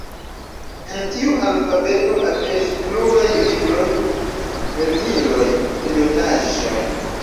En tiu alfabeto aperis pluraj libroj, lerniloj, periodaĵoj.